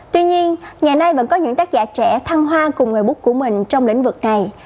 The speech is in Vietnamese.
tuy nhiên ngày nay vẫn có những tác giả trẻ thăng hoa cùng người bút của mình trong lĩnh vực này